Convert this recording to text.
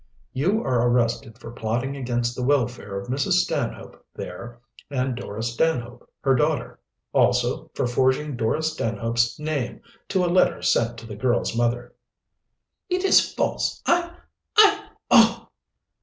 "You are arrested for plotting against the welfare of Mrs. Stanhope there and Dora Stanhope, her daughter; also for forging Dora Stanhope's name to a letter sent to the girl's mother." "It is false. I I Oh!"